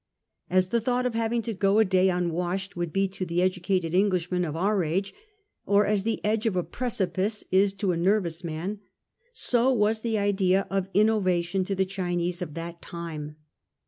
As the thought of having to go a day unwashed would be to the educated Englishman of our age, or as the edge of a precipice is to a nervous man, so was the idea of innovation to the Chinese of that time.